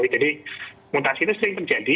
jadi mutasi itu sering terjadi